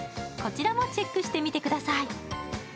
こちらもチェックしてみてください。